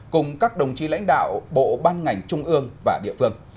cùng các đồng chí lãnh đạo bộ ban ngành trung ương và địa phương